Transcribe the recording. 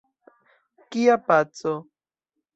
Kia paco?